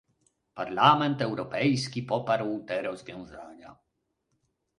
Parlament Europejski poparł te rozwiązania